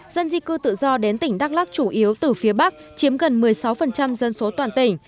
dân di cư tự do đến tỉnh đắk lắc chủ yếu từ phía bắc chiếm gần một mươi sáu dân số toàn tỉnh